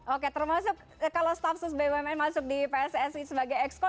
oke termasuk kalau staf sus bumn masuk di pssi sebagai exco